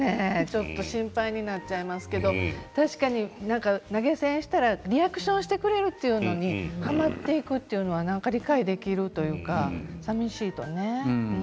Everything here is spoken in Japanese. ちょっと心配になっちゃいますけど確かに投げ銭したらリアクションしてくれるというのにはまっていくというのは理解できるというかさみしいとね。